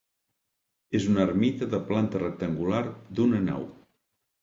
És una ermita de planta rectangular, d'una nau.